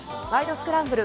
スクランブル」